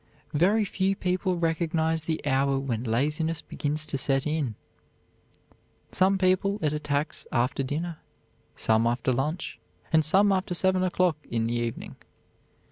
Very few people recognize the hour when laziness begins to set in. Some people it attacks after dinner; some after lunch; and some after seven o'clock in the evening.